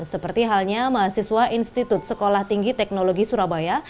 seperti halnya mahasiswa institut sekolah tinggi teknologi surabaya